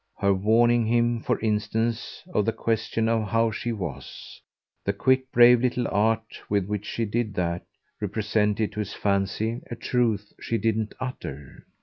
Her warning him for instance off the question of how she was, the quick brave little art with which she did that, represented to his fancy a truth she didn't utter.